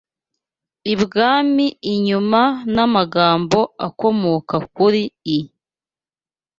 ibwami inyuma n’amagambo akomoka kuri i